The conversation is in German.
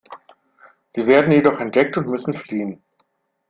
Sie werden jedoch entdeckt und müssen fliehen.